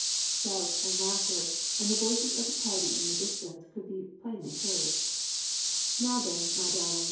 Shouts and laughter, and the voices of the party in the distance, could be plainly heard. " Now then, my darlings